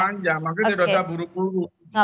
masih panjang makanya sudah buruk buruk